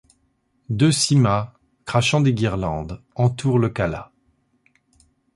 Deux Simhas crachant des guirlandes entourent le Kâla.